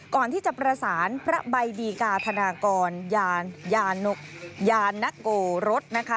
ก่อนที่จะประสานพระใบดีกาธนากรยานกยานโกรสนะคะ